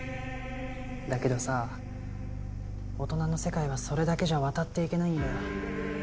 だけどさ大人の世界はそれだけじゃ渡っていけないんだよ。